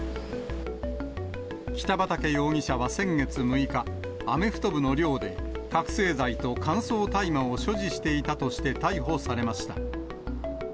北畠容疑者は先月６日、アメフト部の寮で、覚醒剤と乾燥大麻を所持していたとして逮捕されました。